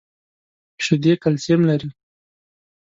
شیدې کلسیم لري .